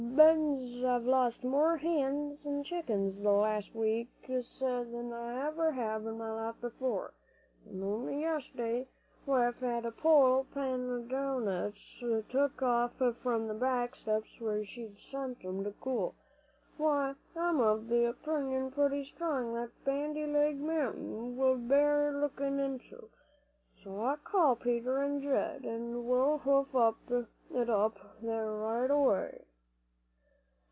"Bein's I've lost more hens and chickens the last two weeks than I ever have in my life before, and only yest'day wife had a hull pan o' doughnuts took off from the back steps where she'd set 'em to cool, why I'm of the opinion pretty strong that Bandy Leg Mountain will bear lookin' into. So I'll call Peter an' Jed, an' we'll hoof it up there right away."